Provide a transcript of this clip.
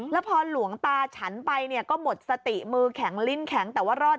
แล้วพอหลวงตาฉันไปก็หมดสติมือแข็งลิ้นแข็ง